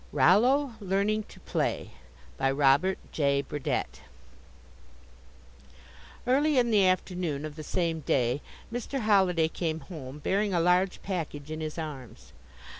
ROLLO LEARNING TO PLAY BY ROBERT J. BURDETTE Early in the afternoon of the same day, Mr. Holliday came home bearing a large package in his arms.